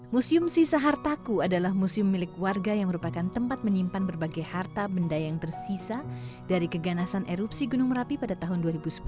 museum sisa hartaku adalah museum milik warga yang merupakan tempat menyimpan berbagai harta benda yang tersisa dari keganasan erupsi gunung merapi pada tahun dua ribu sepuluh